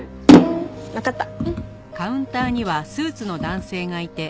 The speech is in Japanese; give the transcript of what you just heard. わかった。